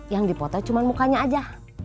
yang dipotong cuma mukanya aja